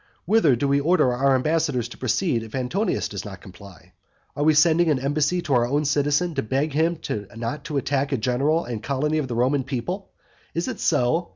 Whither do we order our ambassadors to proceed, if Antonius does not comply? Are we sending an embassy to our own citizen, to beg him not to attack a general and a colony of the Roman people? Is it so?